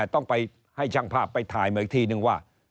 ต้องไปให้ช่างภาพไปถ่ายมาอีกทีนึงว่า